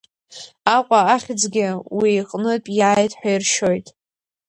Аҟәа ахьӡгьы уи иҟнытә иааит ҳәа иршьоит.